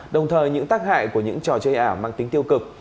đồng thời những tác hại của những trò chơi ảo mang tính tiêu cực